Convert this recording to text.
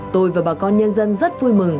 tôi và bà con nhân dân rất vui mừng